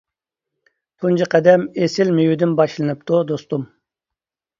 تۇنجى قەدەم ئېسىل مېۋىدىن باشلىنىپتۇ دوستۇم!